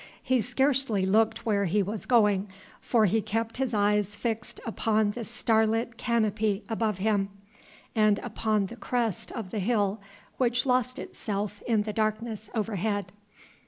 He scarcely looked where he was going, for he kept his eyes fixed upon the starlit canopy above him and upon the crest of the hill which lost itself in the darkness overhead.